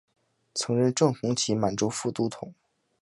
曾任正红旗满洲副都统。